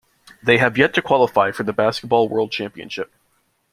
They have yet to qualify for the Basketball World Championship.